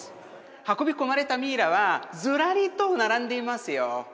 運び込まれたミイラはズラリと並んでいますよ